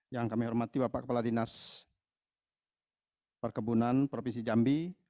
yang kami hormati bapak kepala dinas perkebunan provinsi jambi